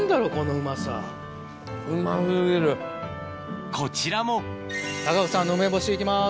・うま過ぎる・こちらも孝子さんの梅干し行きます。